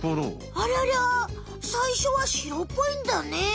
ありゃりゃさいしょはしろっぽいんだね。